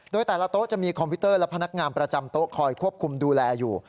โดยแต่ละโต๊ะจะมีคอมพิวเตอร์และพนักงานประจำโต๊ะคอยควบคุมดูแลอยู่